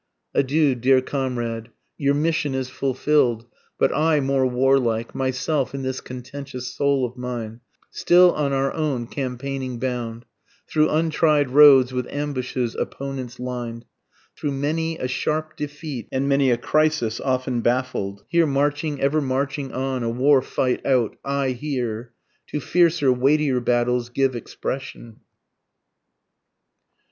Adieu dear comrade, Your mission is fulfill'd but I, more warlike, Myself and this contentious soul of mine, Still on our own campaigning bound, Through untried roads with ambushes opponents lined, Through many a sharp defeat and many a crisis, often baffled, Here marching, ever marching on, a war fight out aye here, To fiercer, weightier battles give expression.